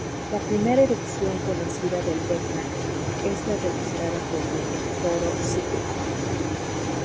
La primera erupción conocida del Etna es la registrada por Diodoro Sículo.